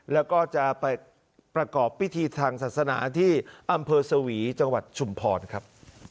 แล้วก็จะไปประกอบพิธีทางศาสนาที่อำเภอสวีจังหวัดชุมพรครับ